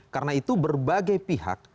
karena itu berbagai pihak